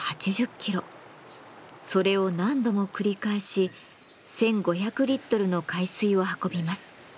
それを何度も繰り返し１，５００リットルの海水を運びます。